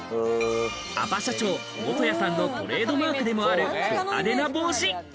アパ社長元谷さんのトレードマークであるド派手な帽子。